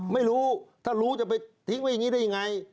ไม่รู้ถ้ารู้จะไปทิ้งไว้อย่างนี้ได้ยังไง